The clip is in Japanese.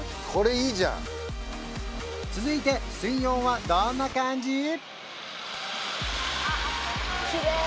これいいじゃん続いて水温はどんな感じ？